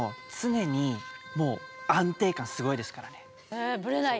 えブレない？